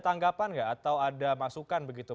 tanggapan nggak atau ada masukan begitu